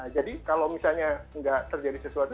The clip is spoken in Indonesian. jadi kalau misalnya tidak terjadi sesuatu